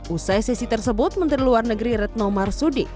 usai sesi tersebut menteri luar negeri retno marsudi